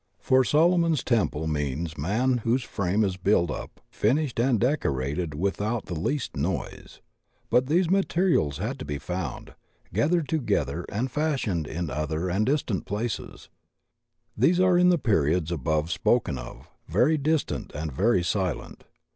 For Solomon's Temple means man whose frame is built up, finished and decorated without the least noise. But the materials had to be found, gathered together and fashioned in other and distant places. These are in the periods above spoken of, very distant and very silent.